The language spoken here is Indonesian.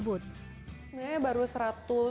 beragam macam roti tersebut